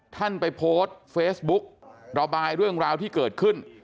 ท่านไปโพสต์เฟซบุ๊กระบายเรื่องราวที่เกิดขึ้น